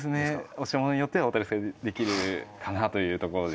お品物によってはお取り扱いできるかなというところで」